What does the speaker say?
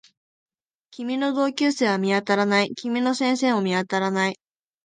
君の同級生は見当たらない。君の先生も見当たらない